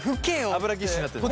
油ギッシュになってんの。